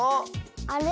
あれ？